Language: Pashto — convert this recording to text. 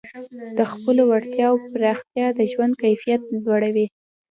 د خپلو وړتیاوو پراختیا د ژوند کیفیت لوړوي.